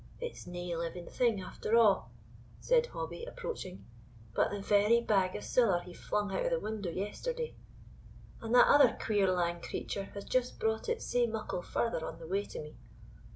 "It's nae living thing, after a'," said Hobbie, approaching, "but the very bag o' siller he flung out o' the window yesterday! and that other queer lang creature has just brought it sae muckle farther on the way to me."